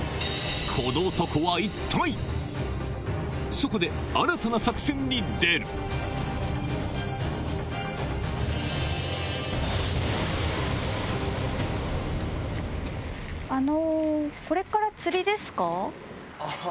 そこで新たな作戦に出るあの。